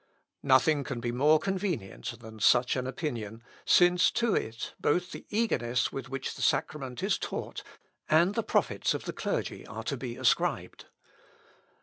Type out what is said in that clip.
Nothing can be more convenient than such an opinion, since to it, both the eagerness with which the sacrament is sought, and the profits of the clergy are to be ascribed.